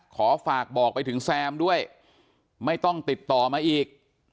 ขอฝากบอกไปถึงแซมด้วยไม่ต้องติดต่อมาอีก